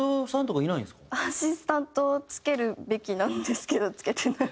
アシスタントつけるべきなんですけどつけてない。